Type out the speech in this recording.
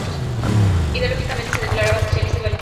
Ideológicamente se declaraba socialista y valencianistas.